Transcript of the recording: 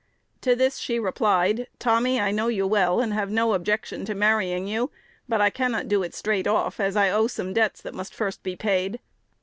To this she replied, "Tommy, I know you well, and have no objection to marrying you; but I cannot do it straight off, as I owe some debts that must first be paid."